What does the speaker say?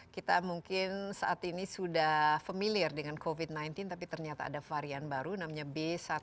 kita mungkin saat ini sudah familiar dengan covid sembilan belas tapi ternyata ada varian baru namanya b satu satu